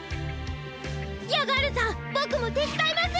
ヤガールさんボクもてつだいます！